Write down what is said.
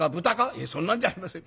「いえそんなんじゃありません。